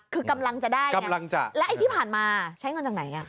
คือกำลังจะได้ไงแล้วไอ้ที่ผ่านมาใช้เงินจากไหนอ่ะ